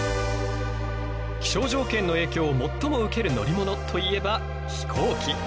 気象条件の影響を最も受ける乗り物といえば飛行機。